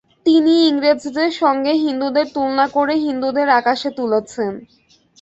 তিনি ইংরেজদের সঙ্গে হিন্দুদের তুলনা করে হিন্দুদের আকাশে তুলেছেন।